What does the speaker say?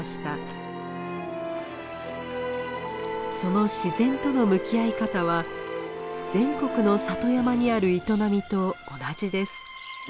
その自然との向き合い方は全国の里山にある営みと同じです。